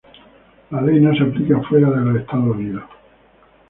La ley no se aplica fuera de los Estados Unidos.